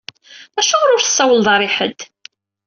Acuɣeṛ ur tsawleḍ ara i ḥedd?